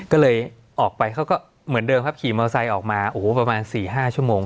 ก็เลยออกไปเขาก็เหมือนเดิมครับขี่มอเตอร์ไซค์ออกมาโอ้โหประมาณ๔๕ชั่วโมง